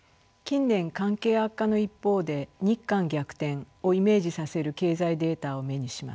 近年関係悪化の一方で日韓逆転をイメージさせる経済データを目にします。